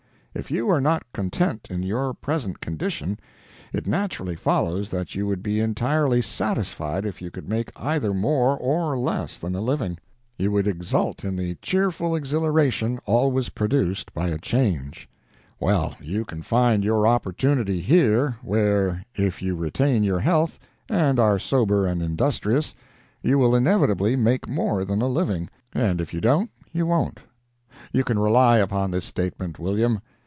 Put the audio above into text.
If you are not content in your present condition, it naturally follows that you would be entirely satisfied if you could make either more or less than a living. You would exult in the cheerful exhilaration always produced by a change. Well, you can find your opportunity here, where, if you retain your health, and are sober and industrious, you will inevitably make more than a living, and if you don't you won't. You can rely upon this statement, William.